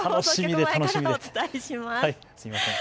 前からお伝えします。